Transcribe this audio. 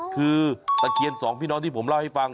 คือตะเคียนสองพี่น้องที่ผมเล่าให้ฟัง